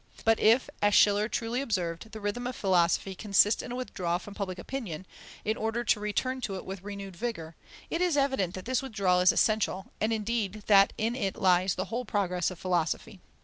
But if, as Schiller truly observed, the rhythm of philosophy consist in a withdrawal from public opinion, in order to return to it with renewed vigour, it is evident that this withdrawal is essential, and indeed that in it lies the whole progress of philosophy.